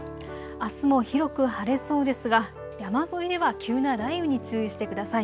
あすも広く晴れそうですが山沿いでは急な雷雨に注意してください。